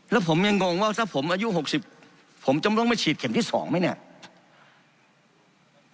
แล้วผมยังงงว่าถ้าผมอายุ๖๐ผมจะไม่ต้องไปฉีดเข็มที่๒ไหมเนี่ย